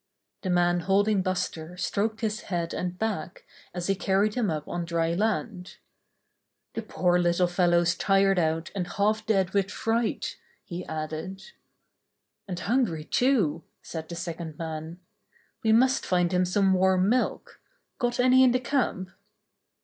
The man holding Buster stroked his head and back, as he carried him up on dry land. "The poor little fellow's tired out and half dead with fright," he added. "And hungry, too," said the second man. "We must find him some warm milk. Got any in the camp